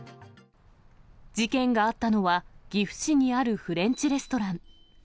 事件があったのは、岐阜市にあるフレンチレストラン。